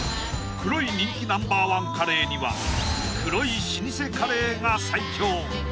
黒い人気Ｎｏ．１カレーには黒い老舗カレーが最強